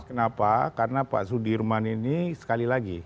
kenapa karena pak sudirman ini sekali lagi